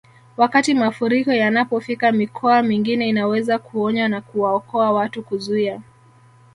Wakati mafuriko yanapofika mikoa mingine inaweza kuonya na kuwaokoa watu kuzuia